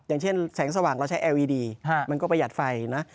อย่างเช่นแสงสว่างเราใช้แอร์วีดีมันก็ประหยัดไฟนะ